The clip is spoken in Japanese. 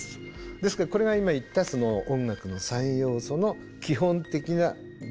ですからこれが今言った音楽の三要素の基本的な原理です。